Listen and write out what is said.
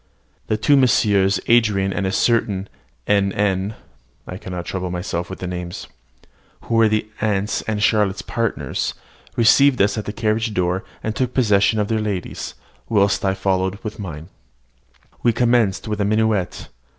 The two Messrs. Andran and a certain N. N. (I cannot trouble myself with the names), who were the aunt's and Charlotte's partners, received us at the carriage door, and took possession of their ladies, whilst I followed with mine. We commenced with a minuet.